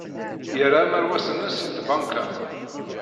Yerra amerwas-nnes i tbanka.